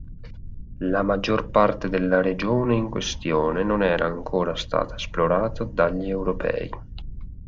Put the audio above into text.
La maggior parte della regione in questione non era ancora stata esplorata dagli europei.